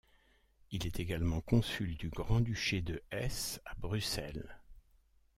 Il est également consul du Grand-duché de Hesse à Bruxelles.